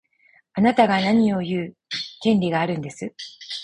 あなたが何を言う権利があるんです。